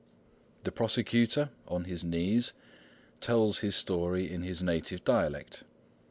The prosecutor, on his knees, tells his story in his native dialect.